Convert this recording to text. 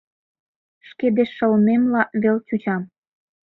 Шке деч шылмемла вел чучам...